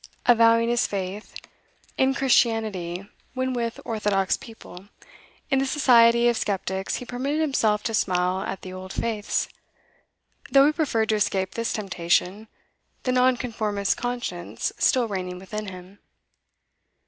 Avowing his faith in Christianity when with orthodox people, in the society of sceptics he permitted himself to smile at the old faiths, though he preferred to escape this temptation, the Nonconformist conscience still reigning within him.